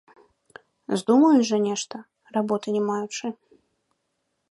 Здумаюць жа нешта, работы не маючы.